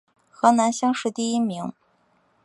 河南乡试第一名。